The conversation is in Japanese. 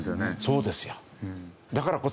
そうですよ。